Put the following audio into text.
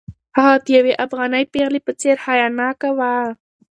هغه د یوې افغانۍ پېغلې په څېر حیاناکه وه.